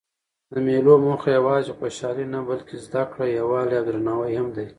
د مېلو موخه یوازي خوشحالي نه؛ بلکې زدکړه، یووالی او درناوی هم دئ.